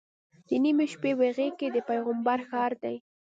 د نیمې شپې په غېږ کې د پیغمبر ښار دی.